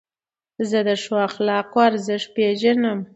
زه د ښو اخلاقو ارزښت پېژنم.